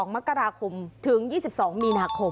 ๒๒มกถึง๒๒มีนาคม